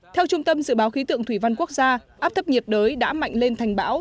theo trung tâm dự báo khí tượng thủy văn quốc gia áp thấp nhiệt đới đã mạnh lên thành bão